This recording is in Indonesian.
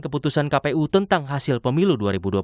keputusan kpu tentang hasil pemilu dua ribu dua puluh